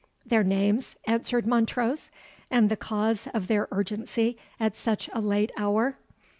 "Their names?" answered Montrose, "and the cause of their urgency at such a late hour?"